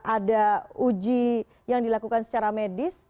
ada uji yang dilakukan secara medis